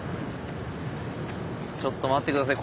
ちょっと待って下さい。